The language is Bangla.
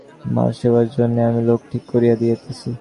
মার সেবার জন্যে আমি লোক ঠিক করিয়া দিতেছি।